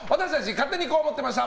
勝手にこう思ってました！